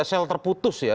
sl terputus ya